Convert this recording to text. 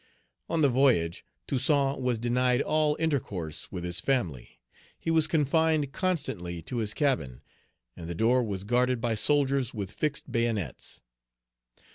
On the voyage, Toussaint was denied all intercourse with his family. He was confined constantly to his cabin, and the door was guarded by soldiers with fixed bayonets.